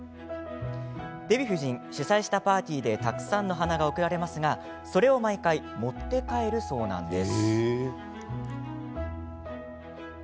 デヴィ夫人主宰したパーティーでたくさんの花が送られますがそれを毎回持って帰るそうなんです。